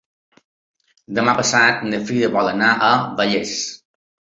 Demà passat na Frida vol anar a Vallés.